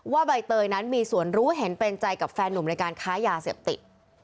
ใบเตยนั้นมีส่วนรู้เห็นเป็นใจกับแฟนหนุ่มในการค้ายาเสพติด